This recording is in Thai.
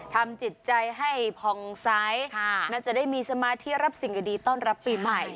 ทำจิตใจให้ผ่องใสน่าจะได้มีสมาธิรับสิ่งดีต้อนรับปีใหม่